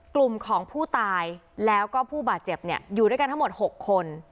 กลุ่มของผู้ตายแล้วก็ผู้บาดเจ็บอยู่ด้วยกันทั้งหมด๖คน